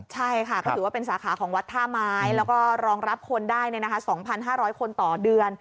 ใช่ค่ะก็ถือว่าเป็นสาขาของวัดท่าไม้แล้วก็รองรับคนได้๒๕๐๐คนต่อเดือน